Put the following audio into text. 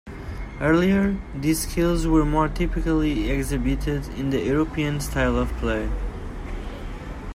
Earlier, these skills were more typically exhibited in the European style of play.